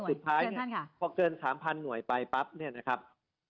ใช่ครับสุดท้ายพอเกิน๓๐๐๐หน่วยไปปั๊บ